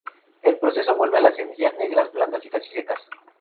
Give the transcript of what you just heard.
El proceso vuelve las semillas negras, blandas y casi secas.